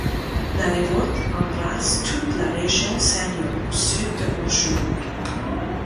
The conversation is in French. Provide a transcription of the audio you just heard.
La révolte embrase toute la région San'yō, au sud de Honshū.